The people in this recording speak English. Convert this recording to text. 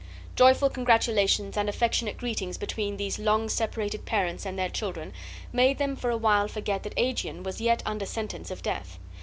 Joyful congratulations and affectionate greetings between these long separated parents and their children made them for a while forget that Aegeon was yet under sentence of death.